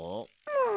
もう！